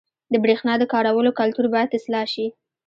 • د برېښنا د کارولو کلتور باید اصلاح شي.